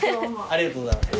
ありがとうございます。